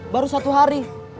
baru satu hari